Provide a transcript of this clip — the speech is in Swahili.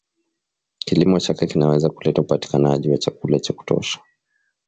kilimo chake kinaweza kuleta upatikanaji wa chakula cha kutosha